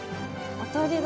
「当たりが」